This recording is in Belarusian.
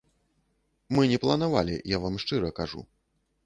Мы не планавалі, я вам шчыра кажу.